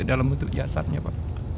dalam bentuk jasadnya pak